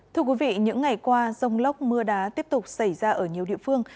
thưa quý vị những ngày qua rông lốc mưa đá tiếp tục xảy ra ở nhiều địa phương